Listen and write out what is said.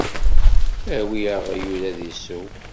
Awi aɣyul ad d-isew.